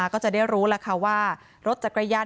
แล้วก็ช่วยกันนำนายธีรวรรษส่งโรงพยาบาล